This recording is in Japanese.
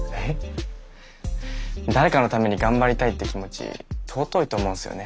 誰かのために頑張りたいって気持ち尊いと思うんすよね。